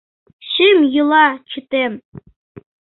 Шӱм йӱла — чытем